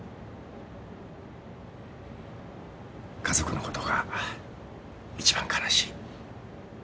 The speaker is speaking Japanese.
家族のことが一番悲しい。